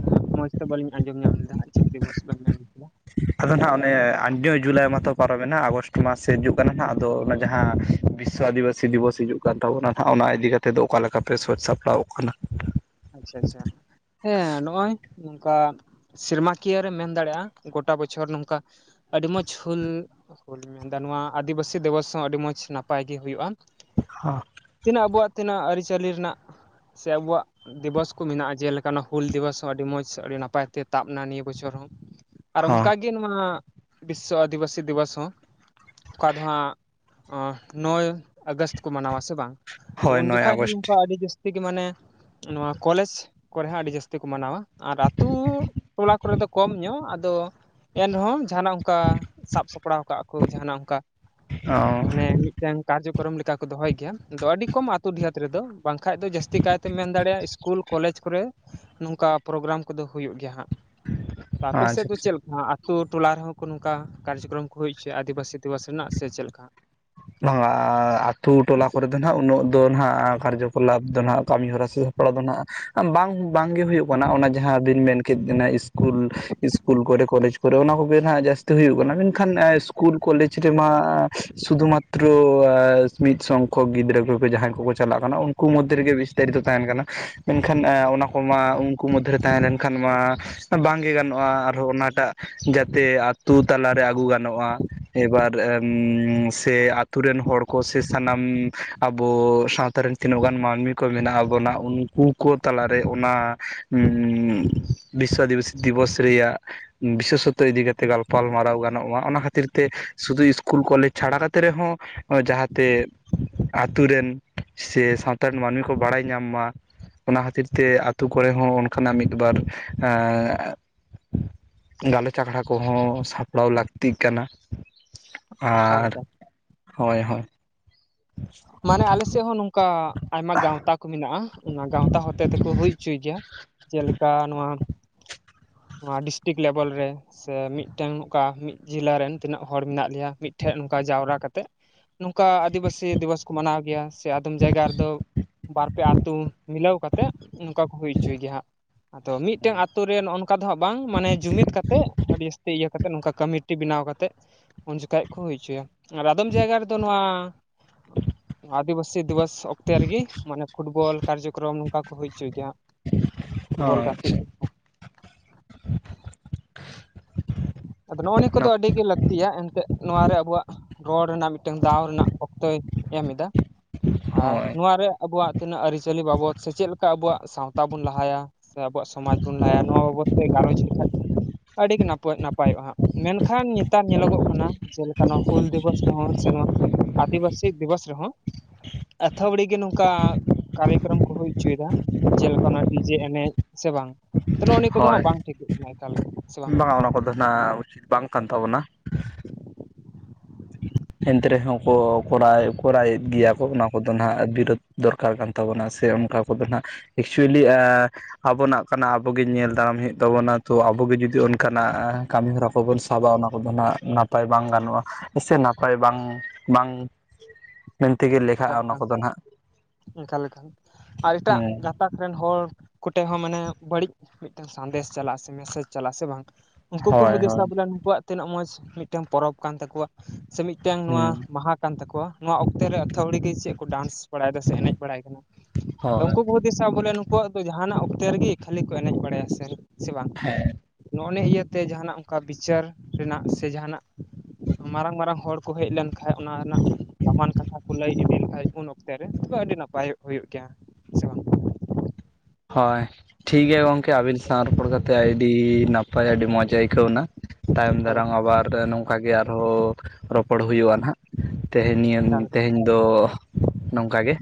ᱮᱸ ᱢᱚᱡᱽ ᱛᱮ ᱵᱟᱹᱞᱤᱧ ᱟᱸᱡᱚᱢ ᱧᱟᱢ ᱞᱮᱫᱟ ᱦᱟᱸᱜ ᱪᱮᱫ ᱫᱤᱵᱚᱥ ᱵᱮᱱ ᱢᱮᱱ ᱠᱮᱫᱟ? ᱟᱫᱚ ᱱᱟᱦᱟᱜ ᱚᱱᱮ [unintelligible] ᱡᱩᱞᱟᱭ ᱢᱟᱛᱚ ᱯᱟᱨᱚᱢᱮᱱᱟ ᱟᱜᱚᱥᱴ ᱢᱟᱥ ᱦᱤᱡᱩᱜ ᱠᱟᱱᱟ ᱱᱟᱦᱟᱜ ᱟᱫᱚ ᱚᱱᱟ ᱡᱟᱦᱟᱸ ᱵᱤᱥᱥᱚ ᱟᱹᱫᱤᱵᱟ ᱥᱤ ᱫᱤᱵᱚᱥ ᱦᱤᱡᱩᱜ ᱠᱟᱱ ᱛᱟᱵᱚᱱᱟ ᱱᱟᱦᱟᱜ ᱚᱱᱟ ᱤᱫᱤ ᱠᱟᱛᱮ ᱫᱚ ᱚᱠᱟ ᱞᱮᱠᱟ ᱯᱮ ᱥᱟᱹᱛ ᱥᱟᱯᱲᱟᱣᱚᱜ ᱠᱟᱱᱟ? ᱟᱪᱪᱷᱟ ᱟᱪᱪᱷᱟ᱾ ᱦᱮᱸ ᱱᱚᱜᱼᱚᱭ ᱱᱚᱝᱠᱟ ᱥᱮᱨᱢᱟ ᱠᱤᱭᱟᱹ ᱨᱮᱢ ᱢᱮᱱ ᱫᱟᱲᱮᱜᱼᱟ ᱜᱚᱴᱟ ᱵᱚᱪᱷᱚᱨ ᱱᱚᱝᱠᱟ ᱟᱰᱤ ᱢᱚᱸᱡᱽ ᱦᱩᱞ ᱦᱩᱞᱤᱧ ᱢᱮᱱᱫᱟ ᱱᱚᱣᱟ ᱟᱹᱫᱤᱵᱟᱹᱥᱤ ᱫᱤᱵᱚᱥ ᱦᱚᱸ ᱟᱹᱰᱤ ᱢᱚᱸᱡᱽ ᱱᱟᱯᱟᱭ ᱜᱮ ᱦᱩᱭᱩᱜᱼᱟ᱾ ᱦᱚ ᱛᱤᱱᱟᱹᱜ ᱟᱵᱚᱣᱟᱜ ᱛᱤᱱᱟᱹᱜ ᱟᱹᱨᱤᱪᱟᱹᱞᱤ ᱨᱮᱱᱟᱜ ᱥᱮ ᱟᱵᱩᱣᱟᱜ ᱫᱤᱵᱚᱥ ᱠᱚ ᱢᱮᱱᱟᱜᱼᱟ ᱡᱮᱞᱮᱠᱟ ᱚᱱᱟ ᱦᱩᱞ ᱫᱤᱵᱚᱥ ᱦᱚᱸ ᱟᱹᱰᱤ ᱢᱚᱸᱡᱽ ᱟᱹᱰᱤ ᱱᱟᱯᱟᱭ ᱛᱮ ᱛᱟᱵᱱᱟ ᱱᱤᱭᱟᱹ ᱵᱚᱪᱷᱚᱨ ᱦᱚᱸ᱾ ᱟᱨ ᱦᱚᱸ ᱚᱝᱠᱟᱜᱮ ᱱᱚᱣᱟ ᱵᱤᱥᱥᱚ ᱟᱫᱤᱵᱟᱹᱥᱤ ᱫᱤᱵᱚᱥ ᱦᱚᱸ ᱚᱠᱟ ᱫᱚ ᱦᱟᱸᱜ ᱚᱸ ᱱᱚᱭ ᱟᱜᱚᱥᱴ ᱠᱚ ᱢᱟᱱᱟᱣᱟ ᱥᱮ ᱵᱟᱝ? ᱛᱚ ᱦᱳᱭ ᱩᱱ ᱱᱚᱭ ᱡᱚᱠᱷᱟᱡ ᱦᱚᱸ ᱟᱜᱚᱥᱴ ᱱᱚᱝᱠᱟ ᱟᱹᱰᱤ ᱡᱟᱹᱥᱛᱤ ᱜᱮ ᱢᱟᱱᱮ ᱱᱚᱣᱟ ᱠᱚᱞᱮᱡᱽ ᱠᱚᱨᱮ ᱦᱚᱸ ᱟᱹᱰᱤ ᱡᱟᱹᱥᱛᱤ ᱠᱚ ᱢᱟᱱᱟᱣᱟ ᱟᱨ ᱟᱹᱛᱩ ᱴᱚᱞᱟ ᱠᱚᱨᱮ ᱫᱚ ᱠᱚᱢ ᱧᱚᱜ ᱟᱫᱚ ᱮᱱᱨᱮᱦᱚᱸ ᱡᱟᱦᱟᱱᱟᱜ ᱚᱝᱠᱟ ᱥᱟᱵ ᱥᱟᱯᱲᱟᱣ ᱠᱟᱜᱼᱟ ᱠᱚ ᱡᱟᱦᱟᱱᱟᱜ ᱚᱝᱠᱟ ᱚ ᱢᱟᱱᱮ ᱟᱪᱪᱷᱟ ᱢᱤᱫ ᱴᱮᱱ ᱠᱟᱨᱡᱚᱠᱚᱨᱚᱢ ᱞᱮᱠᱟ ᱠᱚ ᱫᱚᱦᱚᱭ ᱜᱮᱭᱟ ᱟᱫᱚ ᱟᱹᱰᱤ ᱠᱚᱢ ᱟᱹᱛᱩ ᱰᱤᱦᱟᱹᱛ ᱨᱮᱫᱚ ᱵᱟᱝᱠᱷᱟᱡ ᱫᱚ ᱡᱟᱹᱥᱛᱤ ᱠᱟᱭᱛᱮ ᱢᱮᱱ ᱫᱟᱲᱮᱜᱼᱟ ᱤᱥᱠᱩᱞ ᱠᱚᱞᱮᱡᱽ ᱠᱚᱨᱮ ᱱᱚᱝᱠᱟ ᱯᱨᱳᱜᱨᱟᱢ ᱠᱚᱫᱚ ᱦᱩᱭᱩᱜ ᱜᱮᱭᱟ ᱦᱟᱸᱜ, ᱟᱯᱮ ᱥᱮᱜ ᱫᱚ ᱟᱪᱪᱷᱟ ᱪᱮᱫ ᱞᱮᱠᱟ ᱦᱟᱸᱜ? ᱛᱩ ᱴᱚᱞᱟ ᱨᱮᱦᱚᱸ ᱠᱚ ᱱᱚᱝᱠᱟ ᱠᱟᱨᱡᱚᱠᱚᱨᱚᱢ ᱠᱚ ᱦᱩᱭ ᱚᱪᱚᱭᱟ ᱟᱹᱫᱤᱵᱟᱹᱥᱤ ᱫᱤᱵᱚᱥ ᱨᱮᱱᱟᱜ ᱥᱮ ᱪᱮᱜ ᱞᱮᱠᱟ? ᱵᱷᱟᱝᱟ ᱟᱹᱛᱩ ᱴᱚᱞᱟ ᱠᱚᱨᱮ ᱫᱚ ᱱᱟᱦᱟᱜ ᱩᱱᱟᱹᱜ ᱫᱚ ᱱᱟᱦᱟᱜ ᱟ ᱠᱟᱨᱡᱚᱠᱚᱞᱟᱵ ᱫᱚ ᱱᱟᱦᱟᱜ ᱠᱟᱹᱢᱤ ᱦᱚᱨᱟ ᱥᱮ ᱥᱟᱯᱲᱟᱣ ᱫᱚ ᱱᱟᱦᱟᱜ ᱵᱟᱝ ᱵᱟᱝᱜᱮ ᱦᱩᱭᱩᱜ ᱠᱟᱱᱟ ᱚᱱᱟ ᱡᱟᱦᱟᱸᱵᱤᱱ ᱢᱮᱱ ᱠᱮᱜ ᱚᱱᱮ ᱤᱥᱠᱩᱞ ᱤᱥᱠᱩᱞ ᱠᱚᱨᱮ ᱠᱚᱞᱮᱡᱽ ᱠᱚᱨᱮ ᱚᱱᱟ ᱠᱚᱜᱮ ᱱᱟᱦᱟᱜ ᱡᱟᱹᱥᱛᱤ ᱦᱩᱭᱩᱜ ᱠᱟᱱᱟ ᱢᱮᱱᱠᱷᱟᱱ ᱤᱥᱠᱩᱞ ᱠᱚᱞᱮᱡᱽ ᱨᱮᱢᱟ ᱥᱩᱫᱷᱩ ᱢᱟᱛ ᱛᱨᱳ ᱟᱥ ᱢᱤᱫ ᱥᱚᱝᱠᱷᱚᱠ ᱜᱤᱫᱽᱨᱟᱹ ᱠᱚᱠᱚ ᱡᱟᱦᱟᱸᱭ ᱠᱚᱠᱚ ᱪᱟᱞᱟᱜ ᱠᱟᱱᱟ ᱩᱝᱠᱩ ᱢᱚᱫᱽᱫᱷᱮ ᱨᱮᱜᱮ ᱵᱤᱥᱛᱟᱨᱤᱛᱚ ᱛᱟᱦᱮᱱ ᱠᱟᱱᱟ᱾ ᱢᱮᱱᱠᱷᱟᱱ ᱮ ᱚᱱᱟ ᱠᱚᱢᱟ ᱩᱝᱠᱩ ᱢᱚᱫᱽᱫᱷᱮᱨᱮ ᱛᱟᱦᱮᱸ ᱞᱮᱱᱠᱷᱟᱱ ᱢᱟ ᱵᱟᱝᱜᱮ ᱜᱟᱱᱚᱜᱼᱟ ᱟᱨᱦᱚᱸ ᱚᱱᱟᱴᱟᱜ ᱡᱟᱛᱮ ᱟᱛᱳ ᱛᱟᱞᱟᱨᱮ ᱟᱹᱜᱩ ᱜᱟᱱᱚᱜᱼᱟ᱾ ᱮᱵᱟᱨ ᱮᱢ ᱥᱮ ᱟ ᱛᱩ ᱨᱮᱱ ᱦᱚᱲ ᱠᱚ ᱥᱮ ᱥᱟᱱᱟᱢ ᱟᱵᱚ ᱥᱟᱣᱛᱟ ᱨᱮᱱ ᱛᱤᱱᱟᱹᱜ ᱜᱟᱱ ᱢᱟᱹᱱᱢᱤ ᱠᱚ ᱢᱮᱱᱟᱜ ᱵᱚᱱᱟ ᱩᱱᱠᱩ ᱠᱚ ᱛᱟᱞᱟᱨᱮ ᱚᱱᱟ ᱵᱤᱥᱥᱚ ᱟᱹᱫᱤᱵᱟᱹᱥᱤ ᱫᱤᱵᱚᱥ ᱨᱮᱭᱟᱜ ᱵᱤᱥᱮᱥᱥᱚᱛᱚ ᱤᱫᱤ ᱠᱟᱛᱮ ᱜᱟᱞᱯᱟᱞᱢᱟᱨᱟᱣ ᱜᱟᱱᱚᱜ ᱢᱟ ᱚᱱᱟ ᱠᱷᱟᱹᱛᱤᱨ ᱛᱮ ᱥᱩᱫᱩ ᱤᱥᱠᱩᱞ ᱠᱚᱞᱮᱡᱽ ᱪᱷᱟᱲᱟ ᱠᱟᱛᱮ ᱨᱮᱦᱚᱸ ᱚ ᱡᱟᱦᱟᱸᱛᱮ ᱟᱛᱩ ᱨᱮᱱ ᱥᱮ ᱥᱟᱶᱛᱟ ᱨᱮᱱ ᱢᱟᱹᱱᱢᱤ ᱠᱚ ᱵᱟᱲᱟᱭ ᱧᱟᱢ ᱢᱟ᱾ ᱚᱱᱟ ᱠᱷᱟᱹᱛᱤᱨ ᱛᱮ ᱟᱛᱩ ᱠᱚᱨᱮ ᱦᱚᱸ ᱚᱱᱠᱟᱱᱟᱜ ᱢᱤᱫᱵᱟᱨ ᱮᱸ ᱜᱟᱞᱚᱪ ᱟᱠᱷᱟᱲᱟ ᱠᱚᱦᱚᱸ ᱥᱟᱯᱲᱟᱣ ᱞᱟᱹᱠᱛᱤᱜ ᱠᱟᱱᱟ᱾ ᱚᱠᱟ ᱟᱨ ᱞᱮᱠᱟ ᱦᱳᱭ ᱦᱳᱭ᱾ ᱢᱟᱱᱮ ᱟᱞᱮ ᱥᱮᱫ ᱦᱚᱸ ᱱᱚᱝᱠᱟ ᱟᱭᱢᱟ ᱜᱟᱣᱛᱟ ᱠᱚ ᱢᱮᱱᱟᱜ-ᱟ᱾ ᱚᱱᱟ ᱜᱟᱣᱛᱟ ᱦᱚᱛᱮ ᱛᱮᱠᱚ ᱦᱩᱭ ᱩᱪᱩᱭ ᱜᱮᱭᱟ᱾ ᱡᱮᱞᱮᱠᱟ ᱱᱚᱣᱟ ᱱᱚᱣᱟ ᱰᱤᱥᱴᱤᱠ ᱞᱮᱵᱮᱞ ᱨᱮ ᱥᱮ ᱢᱤᱫᱴᱮᱱ ᱚᱠᱟ ᱢᱤᱫ ᱡᱮᱞᱟ ᱨᱮᱱ ᱛᱤᱱᱟᱹᱜ ᱦᱚᱲ ᱢᱮᱱᱟᱜ ᱞᱮᱭᱟ ᱢᱤᱫᱴᱷᱮᱱ ᱱᱚᱝᱠᱟ ᱡᱟᱣᱨᱟ ᱠᱟᱛᱮᱫ ᱱᱚᱝᱠᱟ ᱟᱹᱫᱤᱵᱟᱹᱥᱤ ᱫᱤᱵᱚᱥ ᱠᱚ ᱢᱟᱱᱟᱣ ᱜᱮᱭᱟ ᱥᱮ ᱟᱫᱚᱢ ᱡᱟᱭᱜᱟ ᱨᱮᱫᱚ ᱵᱟᱨᱯᱮ ᱟᱹᱛᱩ ᱢᱤᱞᱟᱹᱣ ᱠᱟᱛᱮᱜ ᱚᱱᱠᱟ ᱠᱚ ᱦᱩᱭ ᱚᱪᱚᱭ ᱜᱮᱭᱟ ᱦᱟᱸᱜ᱾ ᱟᱫᱚ ᱢᱤᱫᱴᱮᱱ ᱟᱛᱳ ᱨᱮ ᱱᱚᱜ-ᱚ ᱱᱚᱝᱠᱟ ᱫᱚ ᱦᱟᱸᱜ ᱵᱟᱝ᱾ ᱢᱟᱱᱮ ᱡᱩᱢᱤᱫ ᱠᱟᱛᱮᱜ ᱟᱹᱰᱤ ᱡᱟᱹᱥᱛᱤ ᱤᱭᱟᱹ ᱠᱟᱛᱮᱫ ᱱᱚᱝᱠᱟ ᱠᱟᱢᱤᱴᱤ ᱵᱮᱱᱟᱣ ᱠᱟᱛᱮᱫ, ᱩᱱᱡᱚᱠᱷᱟᱡ ᱠᱚ ᱦᱩᱭ ᱦᱚᱪᱚᱭᱟ ᱟᱨ ᱟᱫᱚᱢ ᱡᱟᱭᱜᱟ ᱨᱮᱫᱚ ᱱᱚᱣᱟ ᱟᱹᱫᱤᱵᱟᱹᱥᱤ ᱫᱤᱵᱚᱥ ᱚᱠᱛᱮ ᱨᱮᱜᱮ ᱢᱟᱱᱮ ᱯᱷᱩᱴᱵᱚᱞ, ᱠᱟᱨᱡᱚᱠᱚᱨᱚᱢ ᱱᱚᱝᱠᱟ ᱠᱚ ᱦᱩᱭ ᱦᱚᱪᱚᱭ ᱜᱮᱭᱟ ᱦᱟᱸᱜ᱾ ᱯᱷᱩᱴᱵᱚᱞ ᱦᱳᱭ ᱜᱟᱛᱮᱜ ᱞᱮᱠᱟ᱾ ᱟᱫᱚ ᱱᱚᱜ-ᱚ ᱱᱤᱭᱟᱹ ᱠᱚᱫᱚ ᱱᱟᱯ ᱟᱹᱰᱤᱜᱮ ᱞᱟᱹᱠᱛᱤᱭᱟ ᱮᱱᱛᱮᱫ ᱱᱚᱣᱟᱨᱮ ᱟᱵᱚᱣᱟᱜ ᱨᱚᱲ ᱨᱮᱱᱟᱜ ᱢᱤᱫᱴᱟᱹᱝ ᱫᱟᱣ ᱨᱮᱱᱟᱜ ᱚᱠᱛᱚᱭ ᱮᱢ ᱮᱫᱟ ᱟᱨ ᱦᱳᱭ ᱱᱚᱣᱟᱨᱮ ᱟᱵᱚᱣᱟᱜ ᱛᱤᱱᱟᱹᱜ ᱟᱹᱨᱤᱪᱟᱹᱞᱤ ᱵᱟᱵᱚᱫ ᱥᱮ ᱪᱮᱫ ᱠᱟ ᱟᱵᱚᱣᱟᱜ ᱥᱟᱣᱛᱟ ᱵᱚᱱ ᱞᱟᱦᱟᱭᱟ ᱥᱮ ᱟᱵᱚᱣᱟᱜ ᱥᱚᱢᱟᱡᱽ ᱵᱚᱱ ᱞᱟᱦᱟᱭᱟ ᱱᱚᱣᱟ᱾ ᱵᱟᱵᱚᱫ ᱛᱮ ᱜᱟᱞᱚᱪ ᱞᱮᱠᱷᱟᱡ ᱫᱚ ᱟᱹᱰᱤ ᱜᱮ ᱱᱟᱹᱯᱟᱭ ᱱᱟᱯᱟᱭᱚᱜ-ᱟ ᱦᱟᱸᱜ᱾ ᱢᱮᱱᱠᱷᱟᱱ ᱱᱮᱛᱟᱨ ᱧᱮᱞᱚᱜᱚᱜ ᱠᱟᱱᱟ᱾ ᱡᱮᱞᱮᱠᱟ ᱱᱚᱣᱟ ᱦᱩᱞ ᱫᱤᱵᱚᱥ ᱨᱮᱦᱚᱸ ᱥᱮ ᱱᱚᱣᱟ ᱟᱹᱫᱤᱵᱟᱹᱥᱤ ᱫᱤᱵᱚᱥ ᱨᱮᱦᱚᱸ ᱟᱹᱣᱛᱷᱚᱲᱤ ᱜᱮ ᱱᱚᱝᱠᱟ ᱠᱟᱨᱭᱚᱠᱚᱨᱚᱢ ᱠᱚ ᱦᱩᱭ ᱚᱪᱚᱭᱮᱫᱟ᱾ ᱡᱮᱞᱮᱠᱟ ᱚᱱᱟ ᱰᱤᱡᱮ ᱮᱱᱮᱡ᱾ ᱥᱮ ᱵᱟᱝ ᱛᱚ ᱱᱚᱜ-ᱚ ᱱᱤᱭᱟᱹ ᱠᱚᱫᱚ ᱦᱳᱭ ᱦᱟᱸᱜ ᱵᱟᱝ ᱴᱷᱤᱠᱚᱜ ᱠᱟᱱᱟ ᱮᱠᱟᱞᱜᱮ, ᱥᱮ ᱵᱟᱝ? ᱫᱚ ᱱᱟᱦᱜ ᱩᱪᱤᱛ ᱵᱟᱝ ᱠᱟᱱ ᱛᱟᱵᱚᱱᱟ᱾ ᱮᱱᱛᱮ ᱨᱮᱦᱚᱸ ᱠᱚ ᱠᱚᱨᱟᱣᱮᱫ ᱠᱚᱨᱟᱣᱮᱫ ᱜᱮᱭᱟ ᱠᱚ ᱚᱱᱟ ᱠᱚᱫᱚ ᱦᱟᱸᱜ ᱵᱤᱨᱳᱫ ᱫᱚᱨᱠᱟᱨ ᱠᱟᱱ᱾ ᱛᱟᱵᱚᱱᱟ ᱥᱮ ᱚᱱᱠᱟ ᱠᱚᱫᱚ ᱱᱟᱦᱜ ᱮᱠᱪᱩᱭᱮᱞᱤ ᱮ ᱟᱵᱚᱱᱟᱜ ᱠᱟᱱᱟ᱾ ᱟᱵᱚᱜ ᱜᱮ ᱧᱮᱞ ᱫᱟᱨᱟᱢ ᱦᱩᱭᱩᱜ ᱛᱟᱵᱚᱱᱟ ᱛᱚ ᱟᱵᱚᱜᱮ ᱡᱩᱫᱤ ᱚᱱᱠᱟᱱᱟᱜ ᱠᱟᱹᱢᱤ ᱦᱚᱨᱟ ᱠᱚᱵᱚᱱ ᱥᱟᱵᱟ ᱚᱱᱟ ᱠᱚᱫᱚ ᱱᱟᱦᱜ ᱱᱟᱯᱟᱭ ᱵᱟᱝ ᱜᱟᱱᱚᱜ-ᱟ᱾ ᱦᱮᱥᱮ ᱱᱟᱯᱟᱭ ᱵᱟᱝ ᱵᱟᱝ ᱢᱮᱱ ᱛᱮᱜᱮ ᱮᱠᱟᱞ ᱞᱮᱠᱷᱟᱜ-ᱟ ᱚᱱᱟ ᱮᱠᱟᱞ ᱠᱚᱫᱚ ᱱᱟᱦᱜ᱾ ᱦᱩᱸ᱾ ᱛᱟᱠ ᱨᱮᱱ ᱦᱚᱲ ᱠᱚᱴᱷᱮᱡ ᱦᱚᱸ ᱢᱟᱱᱮ ᱵᱟᱹᱲᱤᱡ ᱢᱤᱫᱴᱮᱱ ᱥᱟᱸᱫᱮᱥ ᱪᱟᱞᱟᱜ-ᱟ। ᱥᱮ ᱢᱮᱥᱮᱡᱽ ᱪᱟᱞᱟᱜ-ᱟ, ᱥᱮ ᱵᱟᱝ? ᱩᱱᱠᱩ ᱠᱚ ᱦᱳᱭ ᱦᱳᱭ ᱦᱩᱫᱤᱥᱟ ᱵᱚᱞᱮ ᱱᱩᱠᱩᱚᱣᱟᱜ ᱛᱤᱱᱟᱹᱜ ᱢᱚᱡᱽ ᱢᱤᱫᱴᱟᱝ ᱯᱚᱨᱚᱵᱽ ᱠᱟᱱ ᱛᱟᱠᱚᱣᱟ᱾ ᱥᱮ ᱢᱤᱫᱴᱟᱝ ᱱᱚᱣᱟ ᱦᱮᱸ ᱢᱟᱦᱟ ᱠᱟᱱ ᱛᱟᱠᱚᱣᱟ। ᱱᱚᱣᱟ ᱚᱠᱛᱮ ᱨᱮ ᱟᱹᱛᱷᱟᱹᱭᱲᱤ ᱜᱮ ᱪᱮᱫ ᱠᱚ ᱰᱟᱱᱥ ᱵᱟᱲᱟᱭᱮᱫᱟ ᱥᱮ ᱮᱱᱮᱡ ᱵᱟᱲᱟᱭ ᱠᱟᱱᱟ᱾ ᱟᱫᱚ ᱦᱳᱭ ᱩᱱᱠᱩ ᱠᱚ ᱦᱩᱫᱤᱥᱟ ᱵᱚᱞᱮ, ᱱᱩᱠᱩᱣᱟᱜ ᱫᱚ ᱡᱟᱦᱟᱱᱟᱜ ᱚᱠᱛᱮ ᱨᱮᱜᱮ ᱠᱷᱟᱹᱞᱤ ᱠᱚ ᱮᱱᱮᱡ ᱵᱟᱲᱟᱭᱟ ᱥᱮ, ᱥᱮ ᱵᱟᱝ? ᱦᱮᱸ। ᱱᱚᱜ-ᱚᱱᱮ ᱤᱭᱟᱹᱛᱮ ᱡᱟᱦᱟᱱᱟᱜ ᱚᱱᱠᱟ ᱵᱤᱪᱟᱹᱨ ᱨᱮᱱᱟᱜ, ᱥᱮ ᱡᱟᱦᱟᱱᱟᱜ ᱢᱟᱨᱟᱝ ᱢᱟᱨᱟᱝ ᱦᱚᱲ ᱠᱚ ᱦᱮᱡ ᱞᱮᱱᱠᱷᱟᱱᱡ, ᱚᱱᱟ ᱨᱮᱱᱟᱜ ᱫᱟᱢᱟᱱ ᱠᱟᱛᱷᱟ ᱠᱚ ᱞᱟᱹᱭ ᱤᱫᱤ ᱞᱮᱠᱷᱟᱱ ᱠᱷᱟᱡ ᱩᱱ ᱚᱠᱛᱮ ᱨᱮ ᱫᱚ ᱟᱹᱰᱤ ᱱᱟᱯᱟᱭᱚᱜ ᱦᱩᱭᱩᱜ ᱜᱮᱭᱟ। ᱥᱮ ᱵᱟᱝ ᱦᱳᱭ᱾ ᱴᱷᱤᱠ ᱜᱮᱭᱟ ᱜᱚᱝᱠᱮ ᱟᱵᱤᱱ ᱥᱟᱶ ᱨᱚᱯᱚᱲ ᱠᱟᱛᱮᱫ ᱟᱹᱰᱤ ᱱᱟᱯᱟᱭ ᱟᱹᱰᱤ ᱢᱚᱸᱡᱽ ᱟᱹᱭᱠᱟᱹᱣᱱᱟ᱾ ᱛᱟᱭᱚᱢ ᱮᱠᱟᱞ ᱫᱟᱨᱟᱢ ᱮᱠᱟᱞ ᱟᱵᱟᱨ ᱱᱚᱝᱠᱟ ᱜᱮ ᱟᱨᱦᱚᱸ ᱨᱚᱯᱚᱲ ᱦᱩᱭᱩᱜ-ᱟ ᱱᱟᱦᱟᱜ᱾ ᱛᱮᱦᱮᱧ ᱱᱤᱭᱟᱹ ᱮᱠᱟᱞ ᱮᱠᱟᱞ ᱛᱮᱦᱮᱧ ᱫᱚ ᱱᱚᱝᱠᱟ ᱜᱮ᱾